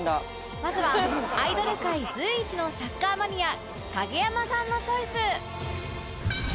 まずはアイドル界随一のサッカーマニア影山さんのチョイス